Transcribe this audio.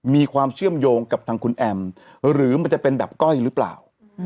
มีความเชื่อมโยงกับทางคุณแอมหรือมันจะเป็นแบบก้อยหรือเปล่า